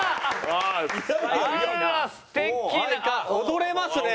踊れますね！